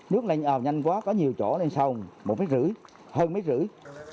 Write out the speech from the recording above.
nước lên nhanh quá có nhiều chỗ lên sâu một mét rưỡi hơn một mét rưỡi